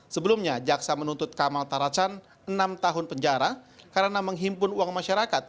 sebelumnya jaksa menuntut kamal taracan enam tahun penjara karena menghimpun uang masyarakat